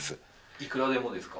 いくらでもですか？